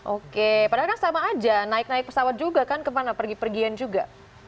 oke padahal kan sama aja naik naik pesawat juga kan kemana pergi pergian juga